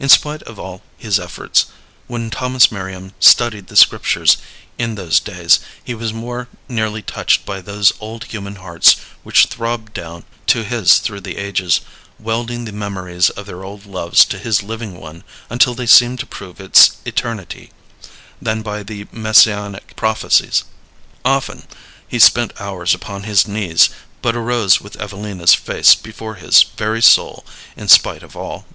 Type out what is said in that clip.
In spite of all his efforts, when Thomas Merriam studied the Scriptures in those days he was more nearly touched by those old human hearts which throbbed down to his through the ages, welding the memories of their old loves to his living one until they seemed to prove its eternity, than by the Messianic prophecies. Often he spent hours upon his knees, but arose with Evelina's face before his very soul in spite of all.